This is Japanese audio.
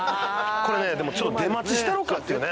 これねちょっと出待ちしたろかっていうね。